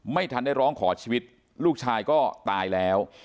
ไม่ทันได้ร้องขอชีวิตลูกชายก็ตายแล้ว